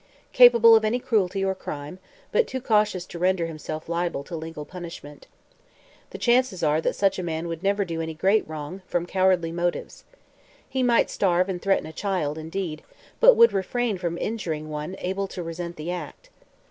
"Capable of any cruelty or crime, but too cautious to render himself liable to legal punishment. The chances are that such a man would never do any great wrong, from cowardly motives. He might starve and threaten a child, indeed, but would refrain from injuring one able to resent the act.